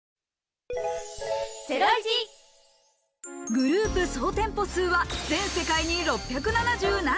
グループ総店舗数は、全世界に６７７。